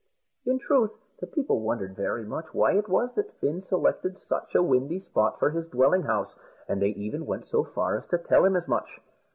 In truth, the people wondered very much why it was that Fin selected such a windy spot for his dwelling house, and they even went so far as to tell him as much.